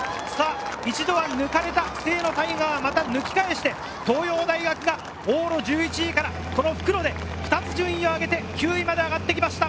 一度は抜かれた清野太雅がまた抜き返して東洋大学が往路１１位から復路で２つ順位を上げて９位まで上がってきました。